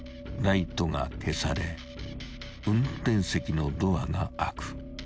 ［ライトが消され運転席のドアが開く］